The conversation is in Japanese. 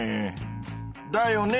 だよね